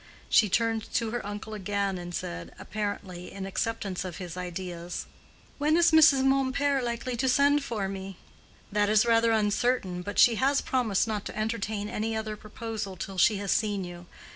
She turned to her uncle again and said, apparently in acceptance of his ideas, "When is Mrs. Mompert likely to send for me?" "That is rather uncertain, but she has promised not to entertain any other proposal till she has seen you.